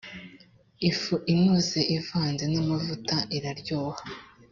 ifu inoze ivanze n amavuta iraryoha